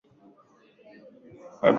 Fabiano akipiga risasi moja kwa moja juu